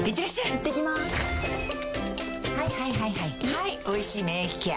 はい「おいしい免疫ケア」